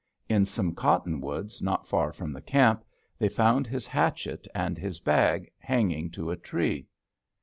In some cottonwoods, not far from the camp, they found his hatchet and his bag hanging to a tree.